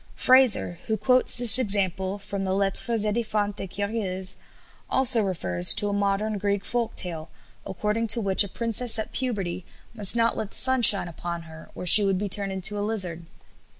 Frazer, who quotes this example from the "Lettres édifiantes et curieuses," also refers to a modern Greek folk tale, according to which a princess at puberty must not let the sun shine upon her, or she would be turned into a lizard.